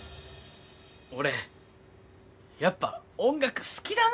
俺やっぱ音楽好きだなあって。